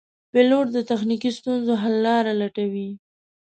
پیلوټ د تخنیکي ستونزو حل لاره لټوي.